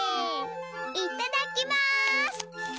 いただきます！